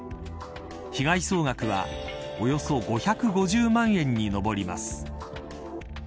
被害総額はおよそ５５０万円に上ります。